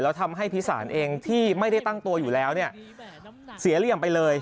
แล้วทำให้พิสารเองที่ไม่ได้ตั้งตัวอยู่แล้วเนี่ยเสียเหลี่ยมไปเลย